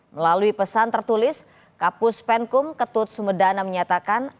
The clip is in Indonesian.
melalui pesan tertulis kapus penkum ketut sumedana menyatakan